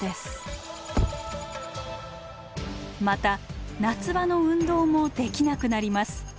また夏場の運動もできなくなります。